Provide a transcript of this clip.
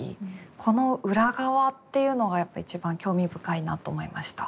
この裏側っていうのがやっぱ一番興味深いなと思いました。